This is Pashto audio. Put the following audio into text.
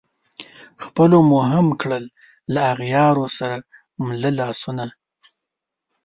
خلپو مو هم کړل له اغیارو سره مله لاسونه